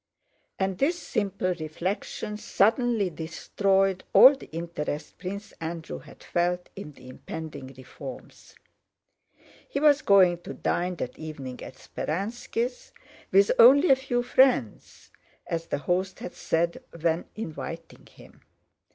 And this simple reflection suddenly destroyed all the interest Prince Andrew had felt in the impending reforms. He was going to dine that evening at Speránski's, "with only a few friends," as the host had said when inviting him.